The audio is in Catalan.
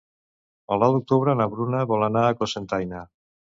El nou d'octubre na Bruna vol anar a Cocentaina.